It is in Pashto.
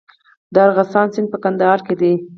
د ارغستان سیند په کندهار کې دی